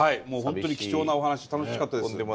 ほんとに貴重なお話楽しかったです。